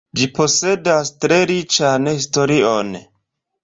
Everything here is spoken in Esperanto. Ĝi posedas tre riĉan historion.